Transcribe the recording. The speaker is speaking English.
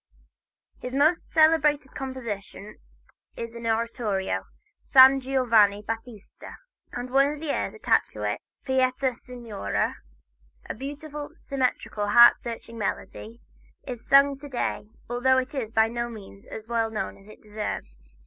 His most celebrated composition is an oratorio, "San Giovanni Battista," and one of the airs attached to it "Pietà Signore," a beautiful, symmetrical, heart searching melody, is sung to day, although it is by no means as well known as it deserves.